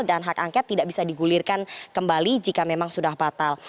dan hak angkat tidak bisa digulirkan kembali jika memang sudah batal